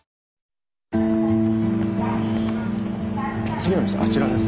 次の店あちらです。